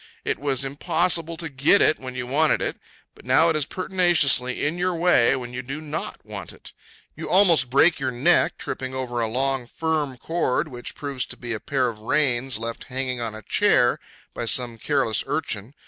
It was impossible to get it when you wanted it; but now it is pertinaciously in your way when you do not want it. You almost break your neck tripping over a long, firm cord, which proves to be a pair of reins left hanging on a chair by some careless urchin.